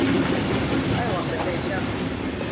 维耶河畔圣迈克桑人口变化图示